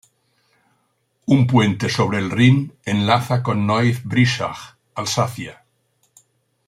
Un puente sobre el Rin enlaza con Neuf-Brisach, Alsacia.